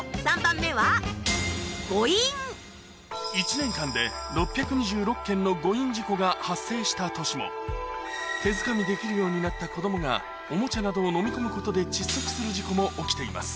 １年間で６２６件の誤飲事故が発生した年も手づかみできるようになった子供がおもちゃなどをのみ込むことで窒息する事故も起きています